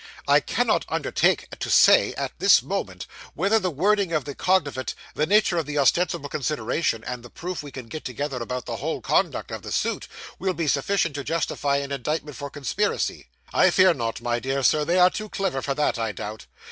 'I cannot undertake to say, at this moment, whether the wording of the cognovit, the nature of the ostensible consideration, and the proof we can get together about the whole conduct of the suit, will be sufficient to justify an indictment for conspiracy. I fear not, my dear Sir; they are too clever for that, I doubt.